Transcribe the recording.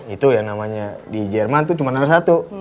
itu yang namanya di jerman itu cuma nomor satu